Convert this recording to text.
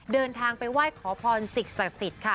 เดินทางไปไหว้ขอพรสิ่งศักดิ์สิทธิ์ค่ะ